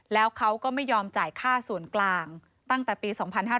แล้วเขาก็ไม่ยอมจ่ายค่าส่วนกลางตั้งแต่ปี๒๕๕๙